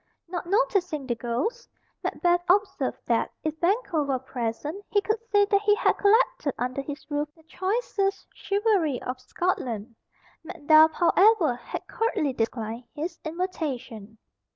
Not noticing the ghost, Macbeth observed that, if Banquo were present, he could say that he had collected under his roof the choicest chivalry of Scotland. Macduff, however, had curtly declined his invitation.